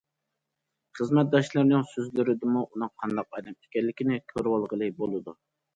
خىزمەتداشلىرىنىڭ سۆزلىرىدىنمۇ ئۇنىڭ قانداق ئادەم ئىكەنلىكىنى كۆرۈۋالغىلى بولىدۇ.